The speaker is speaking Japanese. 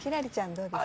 どうですか？